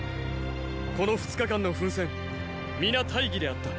この二日間の奮戦皆大儀であった。